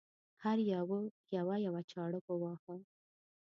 هر یوه یوه یوه چاړه وواهه.